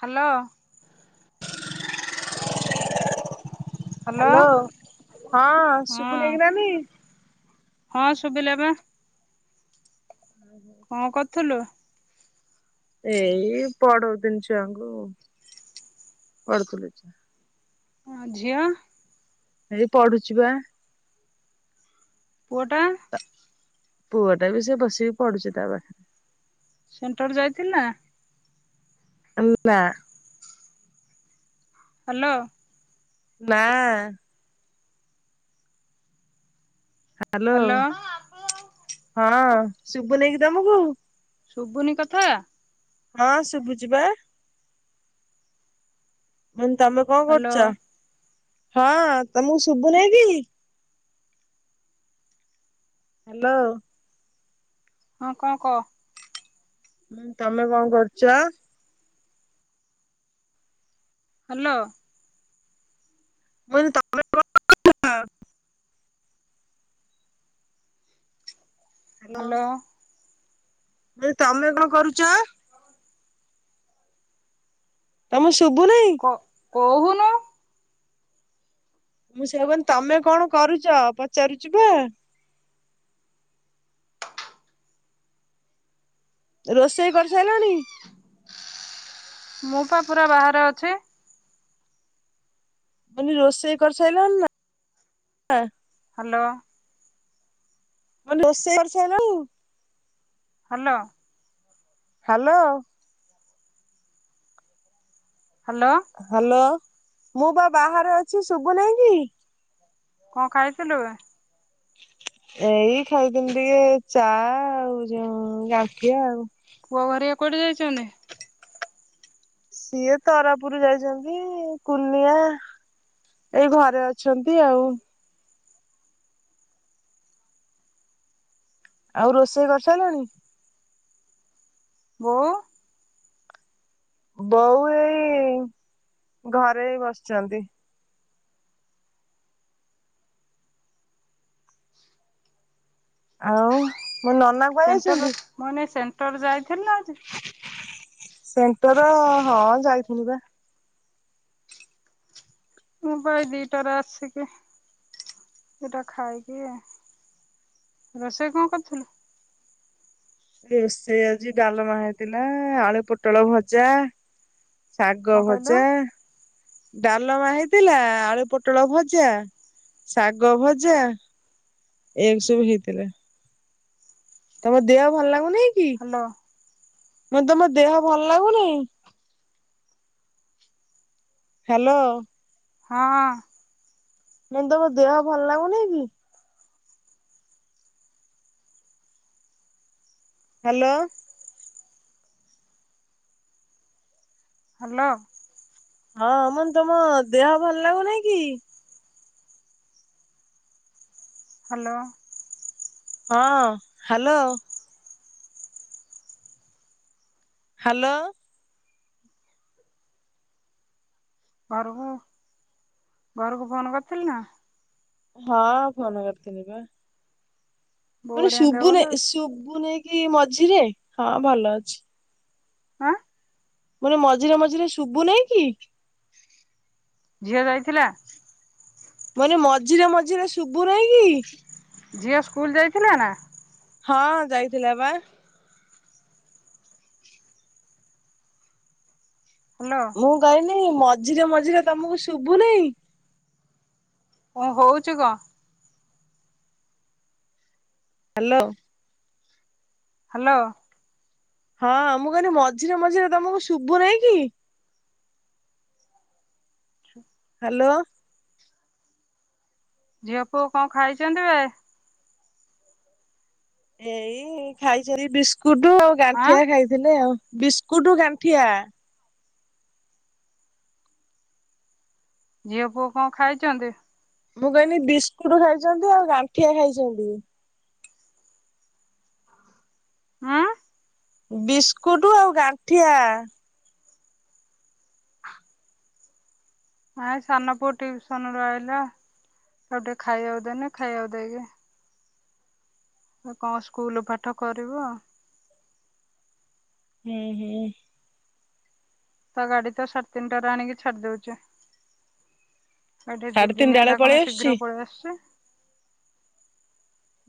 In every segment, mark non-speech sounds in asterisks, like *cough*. Hello. Hello hello ହଁ ହଁ ଶୁଭୁନେଇକି ନାନୀ। ହଁ ଶୁବିଲାପା। ହୁଁ ହଁ କଂ କଥୁଲୁ। ଏଇ ପଢଉ ଥିନି ଛୁଆଙ୍କୁ ପଢୁଥିଲେ ଛୁ ଝିଅ। ଏଇ ପଢୁଛିୁ ପା। ପୁଅଟା। ପୁଅ ଟା ବି ସେ ବସିକି ପଡୁଛି ତା ପା ସେଣ୍ଟର୍ ଯାଇଥିଲି ନା। ଆମ୍ ନାଁ। ହାଲୋ। ନାଁ। ହ୍ୟାଲୋ ହଁ ଶୁଭୁ ନେଇକି ତମକୁ। ଶୁବୁନି କଥା। ହଁ ଶୁବୁଚି ପା। ମୁଁ ତମେ କଣ ହ୍ୟାଲୋ କରୁଚ ହଁ ତମକୁ ଶୁବୁନେଇକି। ହାଲୋ। ହଁ କଂ କ। ହୁଁ ତମେ କଣ କରୁଚ। ହାଲୋ। ମୁଁ କନି ତମେ। Hello hello. ମୁଁ କନି ତମେ କଣ କରୁଚ। ହଉଁ ତମକୁ ଶୁବୁନେଇ। କ କୋହୁନୁ। ମୁଁ ସେୟା କୁ କହିଲି ତମେ କଣ କରୁଚ ପଚାରୁଚି ପା। ରୋଷେଇ କର୍ସାଇଲଣି। ମୁଁ ପା ପୁରା ବାହାରେ ଅଛି। ମୁଁ କନି ରୋଷେଇ କର୍ସାଇଲଣିନା। Hello. *unintelligible* Hello. Hello hello. Hello, ମୁଁ ପା ବାହାରେ ଅଛି ଶୁଭୁ ନେଇ କି। କଂ ଖାଇଥିଲୁବେ। ଏଇ ଖାଇଥିନି ଟିକେ ଚା ଆଉ ଯୋଉ ଗାଣ୍ଠିଆ ଆଉ। ପୁଅ ଘରିଆ କୁଆଡେ ଯାଇଚନ୍ତି। ସିଏ ତରାପୁର୍ ଯାଇଚନ୍ତି, କୁନିଆ। ଏଇ ଘରେ ଅଛନ୍ତି ଆଉ। ଆଉ ରୋଷେଇ କର୍ସାଇଲଣି। ବୋଉ ବୋଉ ଏଇ ଘରେ ବସିଚନ୍ତି। ଆଉ ମୋ ନନା କୁଆଡେ ସେଣ୍ଟର ଯାଇଛନ୍ତି? ମନେ ସେଣ୍ଟର ଯାଇଥିଲୁ ନା ଆଜି? ସେଣ୍ଟର ହଁ ଯାଇଥିଲି ବା। ମୁଁ ବା ଏଇ ଦିଟାରେ ଆସିକି ଦିଟା ଖାଇକି ରୋଷେଇ କଣ କରିଥିଲୁ? ରୋଷେଇ ଆଜି ଡ଼ାଲେମା ହେଇଥିଲା ଆଳୁ ପୋଟଳ ଭଜା। ଶାଗ କଣ କହିଲୁ ଭଜା। ଡ଼ାଲମା ହେଇଥିଲା ଆଳୁ ପୋଟଳ ଭଜା ଶାଗ ଭଜା। ଏମି ସବୁ ହେଇଥିଲା। ତମ ଦେହ ଭଲ ଲାଗୁନି? କି? ହ୍ୟାଲୋ। ମୁଁ ତମ ଦେହ ଭଲ ଲାଗୁନି? ହ୍ୟାଲୋ। ହଁ। ମୁଁ ତମ ଦେହ ଭଲ ଲାଗୁନେଇଁ କି? ହ୍ୟାଲୋ। ହାଲୋ। ହଁ ମୁଁ ତମ ଦେହ ଭଲ ଲାଗୁନେଇଁ କି? ହ୍ୟାଲୋ। ହଁ ହ୍ୟାଲୋ। ହ୍ୟାଲୋ ଘରକୁ ଘରକୁ ଫୋନ କରିଥିଲୁ ନା? ହଁ ଫୋନ କରିଥିନି ବା। ମୁଁ ବୋଉ କହିଲି ହେରିକାଙ୍କ ଦେହ ଭଲ ଶୁଭୁନେଇ ଅଛି ଶୁଭୁନେଇ କି ମଝିରେ ହଁ ଭଲ ଅଛି। ଆଁ ମୁଁ କହିଲି ମଝିରେ ମଝିରେ ଶୁଭୁନେଇଁ କି? ଝିଅ ଯାଇଥିଲା? ମାନେ ମଝିରେ ମଝିରେ ଶୁଭୁନାଇଁ କି? ଝିଅ ସ୍କୁଲ୍ ଯାଇଥିଲା ନା? ହଁ ଯାଇଥିଲା ବା। ହ୍ୟାଲୋ। ମୁଁ କଇନି ମଝିରେ ମଝିରେ ତମକୁ ଶୁଭୁନେଇ। କଣ ହଉଚୁ କ? ହ୍ୟାଲୋ। ହାଲୋ। ହଁ ମୁଁ କହିନି ମଝିରେ ମଝିରେ ତମକୁ ଶୁଭୁନେଇଁ କି? ଛୁ ଲୋ ଝିଅ ପୁଅ କଁ ଖାଇଛନ୍ତି ବେ? ଏଇ ଖାଇଛରି ବିସ୍କୁଟୁ ଆଉ ଆଁ ଗାଣ୍ଠିଆ ଖାଇ ଥିଲେ ଆଉ ବିସ୍କୁଟୁ ଗାଣ୍ଠିଆ। ଝିଅ ପୁଅ କଣ ଖାଇଛନ୍ତି? ମୁଁ କହିନି ବିସ୍କୁଟୁ ଖାଇଛନ୍ତି ଆଉ ଗାଣ୍ଠିଆ ଖାଇଛନ୍ତି। ହୁଁ ବିସ୍କୁଟୁ ଆଉ ଗାଣ୍ଠିଆ। ନାଇ ସାନ ପୁଅ ଟିଉସନରୁ ଆଇଲା ତାକୁ ଟିକେ ଖାଇବାକୁ ଦେନି ଖାଇବାକୁ ଦେଇକି ହେ କଁ ସ୍କୁଲୁ ପାଠ କରିବ। ହୁଁ ହୁଁ। ତା ଗାଡି ତ ସାଢେ ତିନିଟାରେ ଆଣିକି ତ ଛାଡିଦଉଚି। ଏଠି ସାଢେ ଦିଦିନ ତିନିଟା ବେଳେ ହେଲା କଣ ପଳେଇ ଆସୁଛି। ଶୀଘ୍ର ପଳେଇ ଆସୁଚି।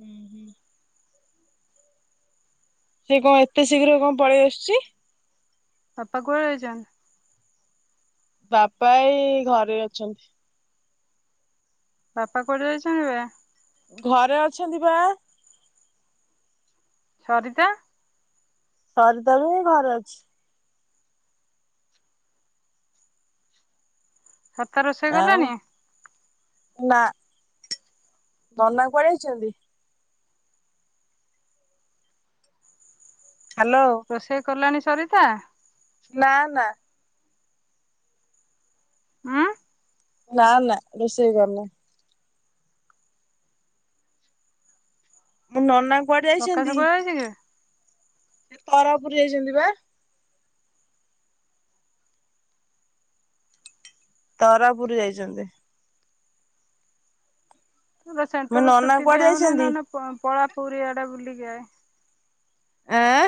ହୁଁ ହୁଁ। ସେ କଣ ଏତେ ଶୀଘ୍ର କଣ ପଳେଇ ଆସୁଚି। ବାପା କୁଆଡ଼େ ଯାଇଚନ୍ତି? ବାପା ଏଇ ଘରେ ଅଛନ୍ତି। ବାପା କୁଆଡେ ଯାଇଚନ୍ତି ବେ? ଘରେ ଅଛନ୍ତି ପା। ସରିତା? ସରିତା ବି ଘରେ ଅଛି। ସରିତା ରୋଷେଇ ଆଉ କଲାଣି? ନା ନନା କୁଆଡେ ଯାଇଚନ୍ତି? ହ୍ୟାଲୋ। ରୋଷେଇ କଲାଣି ସରିତା? ନା ନା। ଉଁ? ନା ନା ରୋଷେଇ କରି ନି। ମୁଁ ନନା କୁଆଡେ ପ୍ରକାଶ ଯାଇଛନ୍ତି? କୁଆଡେ ଯାଇଛି କି? ତରାପୁରି ଯାଇଚନ୍ତି ବା। ତରାପୁରୀ ଯାଇଚନ୍ତି। ଏ ତ ମୁଁ ସେଣ୍ଟର ରେ ନନା ଛୁଟି କୁଆଡେ ଦିଆ ହଉନି ଯାଇଛନ୍ତି? ନହେଲେ ପଳା ପୁରୀ ଆଡେ ବୁଲିକି ଆ। ଆଁ?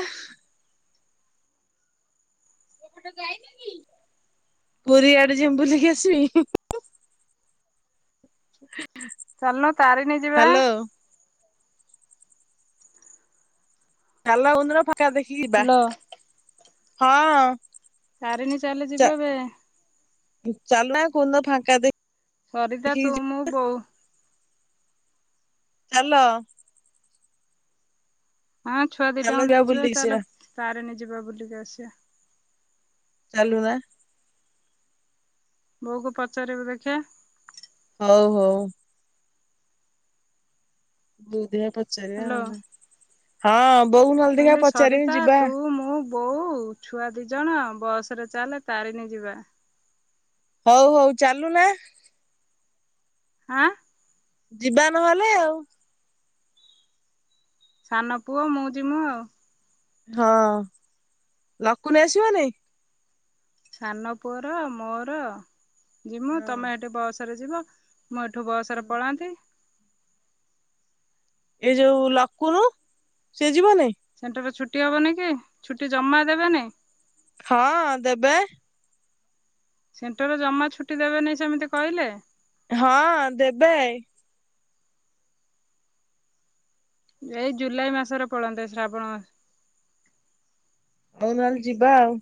ପୁରୀ ଆଡେ ଯିବି ବୁଲିକି ଆସିମି। ହ ଚାଲୁନ ତାରିଣୀ ଯିବା। ଚାଲ କୋଉଦିନ ଫାଙ୍କା ଦେଖିକିି ଇବା। ହାଲୋ ତାରିନି ଚାଲେ ଯିବ ବେ। ଚାଲୁନା କୋଉଦିନ ଫାଙ୍କା ଦେ ସରିତା ତୁ ମୁଁ ବୋଉ। ଚାଲ। ହଁ ଛୁଆ ଚାଲ ଦିଟାଙ୍କୁ ଯିବା ନେଇଯିବା ବୁଲିକି ଚାଲେ ଆସିବା। ତାରିଣି ଯିବା ବୁଲିକି ଆସିବା। ଚାଲୁ ନା। ବୋଉକୁ ପଚାରିବୁ ଦେଖିଆ। ହଉ ହୋଉ। ବୋଉ ଦେଖିବା ହାଲୋ ମୁଁ ପଚାରିବା ହଁ ବୋଉକୁ ନହେଲେ କହିଲି ଦେଖିବା ପଚାରିମି ସରିତା ଯିବା। ତୁ ମୁଁ ବୋଉ ଛୁଆ ଦିଜଣ ବସରେ ଚାଲେ ତାରିଣୀ ଯିବା। ହଉ ହଉ ଚାଲୁନା। ଆଁ? ଯିବା ନହେଲେ ଆଉ। ସାନ ପୁଅ ମୁଁ ଯିମୁଁ ଆଉ। ହଁ। ଲକୁନୀ ଆସିବନେଇ? ସାନପୁଅର ମୋର ଯିମୁ, ହଁ ତମେ ସେଠି ବସରେ ଯିବ। ମୁଁ ଏଠୁ ହଁ। ବସରେ ପଳାନ୍ତି। ଏଇ ଯୋଉ ଲକୁନୁ, ସେ ଯିବନି? ସେଣ୍ଟର ଛୁଟି ହବନି କି ଛୁଟି ଜମା ଦେବେନି? ହଁ ଦେବେ। ସେଣ୍ଟର ରେ ଜମା ଛୁଟି ଦେବେନେଇଁ ସେମିତି କହିଲେ? ହଁ ଦେବେ। ଏଇ ଜୁଲାଇ ମାସରେ ପଳନ୍ତେ। ଶ୍ରାବଣ ହଉ ନହେଲେ ଯିବା ଆଉ।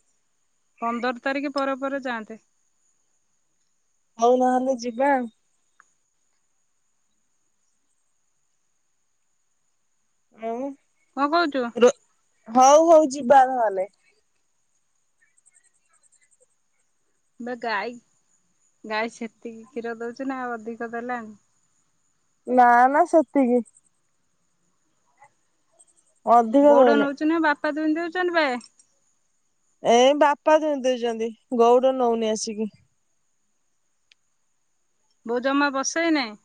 ପନ୍ଦର ତାରିଖ ପରେ ପରେ ଯାଆନ୍ତେ। ହଉ ନହେଲେ ଯିବା ଆଉ। ଆଉ? କଣ କହୁଛୁ? ରୋ ହଉ ହଉ ଯିବା ନହେଲେ। ଏ ଗାଈ ଗାଈ ସେତିକି କ୍ଷୀର ଦଉଚି ନା ଆଉ ଅଧିକ ଦେଲାଣି। ନା ନା ସେତିକି। ଅଧିକ ଗୋଉଡ଼ ଦଉନି। ନେଉଚି ନା ବାପା ଦୁଇଁ ଦେଉଛନ୍ତି ବେ? ଏ ବାପା ଦୁଇଁ ଦେଉଛନ୍ତି ଗଉଡ ନଉନି ଆସିକି। ବୋଉ ଜମା ବସେଇ ନେଇଁ।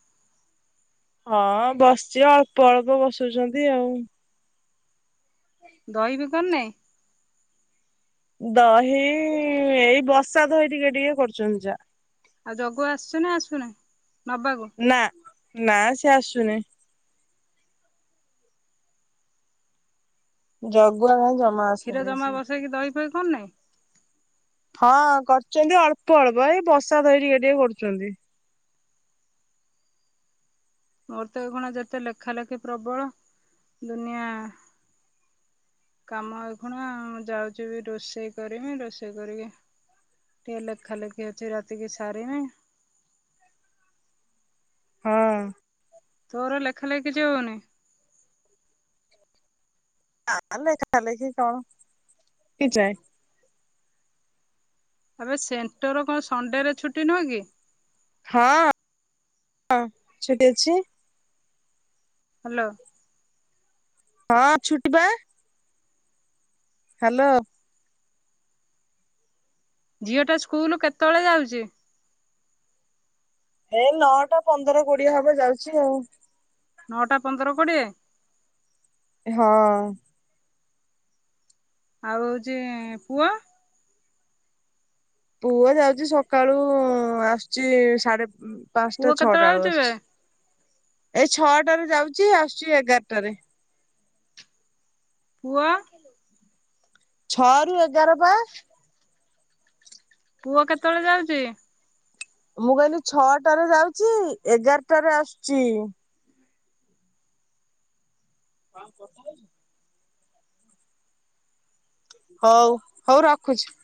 ହଁ ବସିଛି ଅଳ୍ପ ଅଳ୍ପ ବସଉଚନ୍ତି ଆଉ। ଦହି ବି କରୁନେଇଁ? ଦହି ଏଇ ବସା ଦହି ଟିକେ ଟିକେ କରୁଛନ୍ତି ଯା। ଆଉ ଜଗୁ ଆସୁଛ ନା ଆସୁନି ନବାକୁ। ନା ନା ସେ ଆସୁନି। ଜଗୁଆ କାଇଁ ଜ କ୍ଷୀର ଜମା ବସେଇକି ଦହି ଫଇ କରୁନେଇଁ? ହଁ କରୁଚନ୍ତି ଅଳ୍ପ ଅଳ୍ପ ଏଇ ବସା ଦହି ଟିକେ ଟିକେ କରୁଛନ୍ତି। ମୋର ତ ଏଇ ଖିଣା ଯେତେ ଲେଖା ଲେଖି ପ୍ରବଳ। ଦୁନିଆ କାମ ଏଇ ଖିଣା ମୁଁ ଯାଉଛି ବି ରୋଷେଇ କରିମି, ରୋଷେଇ କରିକି ଲେଖା ଲେଖି ଅଛି ରାତି କି ସାରିମି। ହଁ। ତୋର ଲେଖା ଲେଖି କିଛି ହଉନି? ନା ଲେଖା ଲେଖି କଣ କି ଯଏ। ଏବେ ସେଣ୍ଟର କଣ ସଣ୍ଡେରେ ଛୁଟି ନୁହଁ କି? ହଁ ଛୁଟି ଅଛି। ହାଲୋ। ହଁ ଛୁଟି ବା। ହାଲୋ। ଝିଅଟା ସ୍କୁଲୁ କେତେବେଳେ ଯାଉଛି? ଏଇ ନଅଟା ପନ୍ଦର କୋଡିଏ ହବ ଯାଉଚି ଆଉ? ନଅଟା ପନ୍ଦର କୋଡ଼ିଏ? ହଁ। ଆଉ ହଉଚି ପୁଅ? ପୁଅ ଯାଉଛି ସକାଳୁ ଆସୁଛି ସାଢେ ପାଞ୍ଚଟା ପୁଅ କେତେବେଳେ ଛଅଟା ବେଳକୁ ଯାଉଛି ବେ ଆସୁଚି। ଏଇ ଛଅଟାରେ ଯାଉଚି ଆସୁଚି ଏଗାରଟା ରେ। ପୁଅ? ଛଅ ରୁ ଏଗାର ପା। ପୁଅ କେତେବେଳେ ଯାଉଛି? ମୁଁ କହିଲି ଛଅଟାରେ ଯାଉଛି ଏଗାରଟାରେ ଆସୁଛି। ହଁ କଥା ହଉଛି। ହଉ ହଉ ରଖୁଛି।